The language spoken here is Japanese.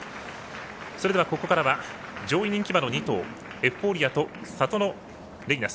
それでは、ここからは上位人気馬の２頭エフフォーリアとサトノレイナス